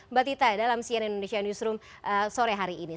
mbak tita dalam cnn indonesia newsroom sore hari ini